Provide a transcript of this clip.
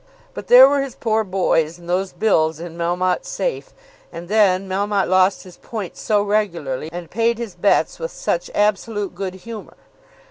But there were his poor boys, and those bills in Melmotte's safe. And then Melmotte lost his points so regularly, and paid his bets with such absolute good humour!